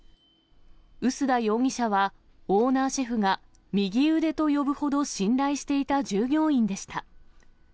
臼田容疑者は、オーナーシェフが、右腕と呼ぶほど信頼していた従業員でした。